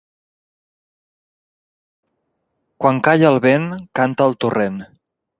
Quan calla el vent, canta el torrent.